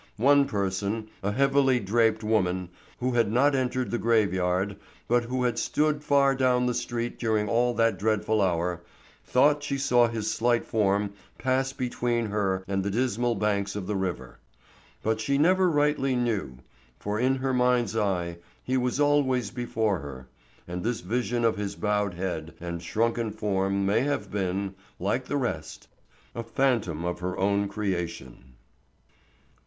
One person, a heavily draped woman, who had not entered the graveyard, but who had stood far down the street during all that dreadful hour, thought she saw his slight form pass between her and the dismal banks of the river; but she never rightly knew, for in her mind's eye he was always before her, and this vision of his bowed head and shrunken form may have been, like the rest, a phantom of her own creation.